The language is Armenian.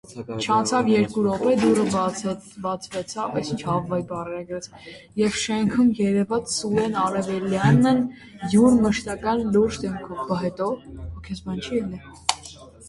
Չանցավ երկու րոպե, դուռը բացվեցավ, և շեմքում երևաց Սուրեն Արևելյանն յուր մշտական լուրջ դեմքով: